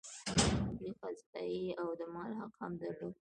دوی قضايي او د مال حق هم درلود.